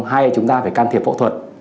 hay chúng ta phải can thiệp phẫu thuật